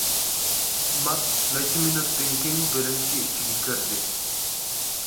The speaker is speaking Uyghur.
ماك نەچچە مىنۇتتىن كېيىن بۆلۈمچە ئىچىگە كىردى.